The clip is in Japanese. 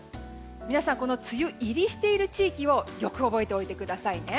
皆さん、梅雨入りしている地域をよく覚えていてくださいね。